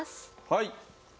はい。